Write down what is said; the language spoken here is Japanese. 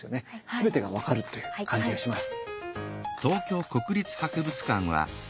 全てが分かるという感じがします。